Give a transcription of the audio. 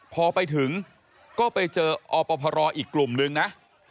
พอไปถึงก็ไปเจออพรอีกกลุ่มนึงนะ